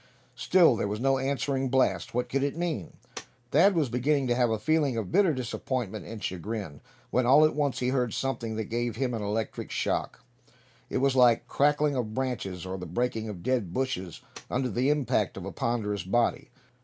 Still there was no answering blast. What could it mean? Thad was beginning to have a feeling of bitter disappointment and chagrin, when all at once he heard something that gave him an electric shock. It was like the crackling of branches, or the breaking of dead bushes under the impact of a ponderous body.